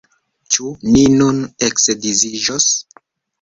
Ĉu ni nun eksedziĝos!